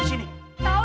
tau nih mbak be